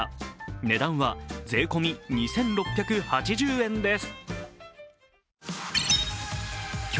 値段は税込み２６８０円です。